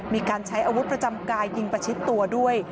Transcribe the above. มีการใช้อาวุธประจำกายยิงประชิดตัวด้วย